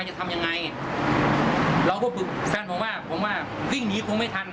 จะทำยังไงเราก็ฝึกแฟนผมว่าผมว่าวิ่งหนีคงไม่ทัน